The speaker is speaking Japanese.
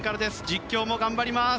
実況も頑張ります。